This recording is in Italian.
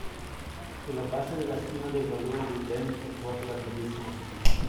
Sulla base della stima del valore dei beni effettuata dal medesimo ufficio